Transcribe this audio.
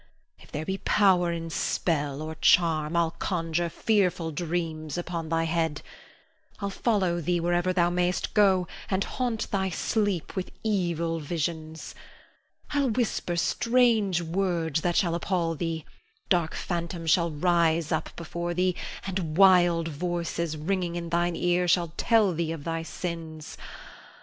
If there be power in spell or charm, I'll conjure fearful dreams upon thy head. I'll follow thee wherever thou mayst go, and haunt thy sleep with evil visions. I'll whisper strange words that shall appall thee; dark phantoms shall rise up before thee, and wild voices ringing in thine ear shall tell thee of thy sins.